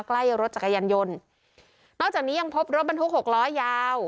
ใกล้รถจักรยานยนต์นอกจากนี้ยังพบรถบรรทุกหกล้อยาว